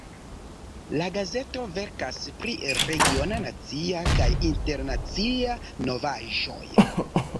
La gazeto verkas pri regiona, nacia kaj internacia novaĵoj.